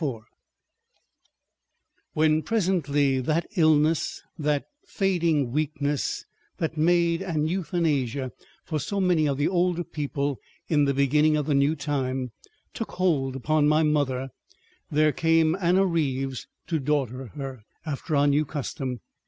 § 4 When presently that illness, that fading weakness that made an euthanasia for so many of the older people in the beginning of the new time, took hold upon my mother, there came Anna Reeves to daughter her—after our new custom.